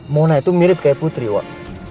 mona itu mirip kayak putri waktu